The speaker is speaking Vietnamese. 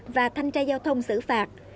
và thanh tra giao thông xử phạt